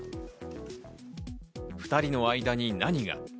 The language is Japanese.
２人の間に何が。